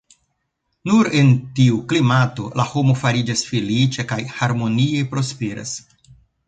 Nur en tiu klimato la homo fariĝas feliĉa kaj harmonie prosperas.